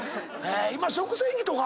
今食洗機とか。